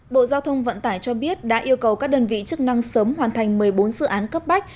bộ giao thông vận tải cho biết đã yêu cầu các đơn vị chức năng sớm hoàn thành một mươi bốn dự án cấp bách